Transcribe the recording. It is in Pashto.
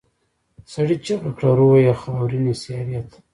سړي چيغه کړه روح یې خاورینې سیارې ته.